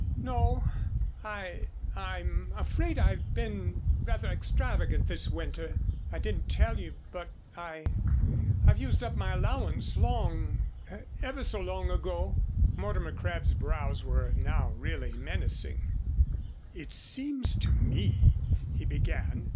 "No I I'm afraid I've been rather extravagant this winter. I didn't tell you but I I've used up my allowance long ever so long ago." Mortimer Crabb's brows were now really menacing. "It seems to me " he began.